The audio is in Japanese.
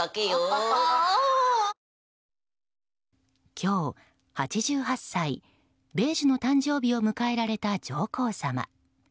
今日、８８歳・米寿の誕生日を迎えられた上皇さま。